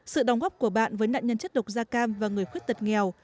sự đóng góp của bạn với nạn nhân chất độc da cam và người khuyết tật nghèo